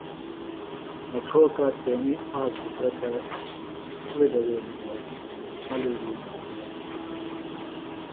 مڇھوکہ تیݨی آک پُترہ تھےۡ کڑیۡ دویلیۡ دےۡ ملُڑی راجائی دِھی